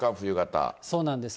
そうなんです。